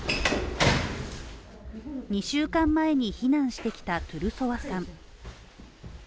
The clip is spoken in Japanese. ２週間前に避難してきたトゥルソワさん。